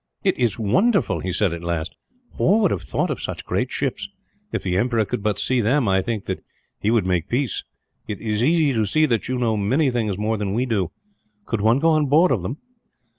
"It is wonderful!" he said at last. "Who would have thought of such great ships? If the emperor could but see them, I think that he would make peace. It is easy to see that you know many things more than we do. Could one go on board of them?"